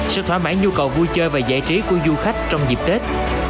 sẽ thoải mãi nhu cầu vui chơi và giải trí của du khách trong dịp tết